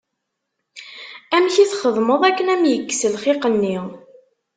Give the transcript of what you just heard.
Amek i txedmeḍ akken ad am-yekkes lxiq-nni?